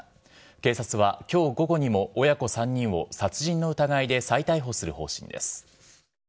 警察は、きょう午後にも親子３人を殺人の疑いで再逮捕する方針です。